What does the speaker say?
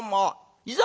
いざ